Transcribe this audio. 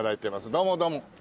どうもどうも。